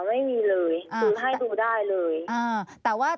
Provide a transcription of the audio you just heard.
ไม่มีเลยดูให้ดูได้เลย